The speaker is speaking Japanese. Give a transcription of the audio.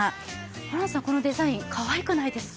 ホランさん、このデザインかわいくないですか？